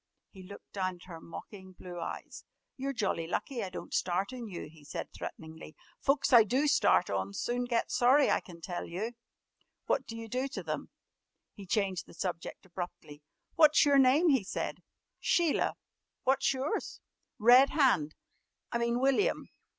He looked down at her mocking blue eyes. "You're jolly lucky I don't start on you," he said threateningly. "Folks I do start on soon get sorry, I can tell you." [Illustration: "GARN! SWANK!" WILLIAM TURNED WITH A DARK SCOWL.] "What you do to them?" He changed the subject abruptly. "What's your name?" he said. "Sheila. What's yours?" "Red Hand I mean, William."